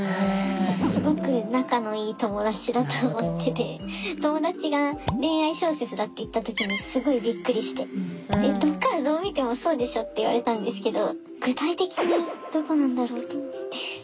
すごく仲のいい友達だと思ってて友達が恋愛小説だって言った時にすごいびっくりして「どこからどう見てもそうでしょ！」って言われたんですけど。